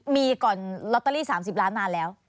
มีก่อนลอตเตอรี่๓๐ล้านนานแล้ว